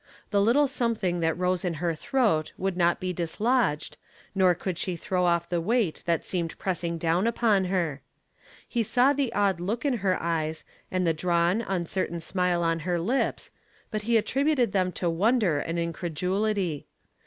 The little something that rose in her throat would not be dislodged, nor could she throw off the weight that seemed pressing down upon her. He saw the odd look in her eyes and the drawn, uncertain smile on her lips, but he attributed them to wonder and incredulity.